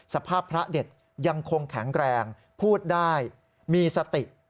สภาพพระเด็ดยังคงแข็งแรงพูดได้มีสติ